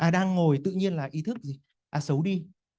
đang ngồi tự nhiên là ý thức xấu đi